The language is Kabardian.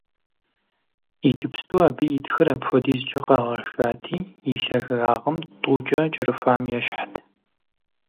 Иджыпсту абы и тхыр апхуэдизкӀэ къэгъэшати, и лъагагъым тӀукӀэ кӀэрыхуам ещхьт.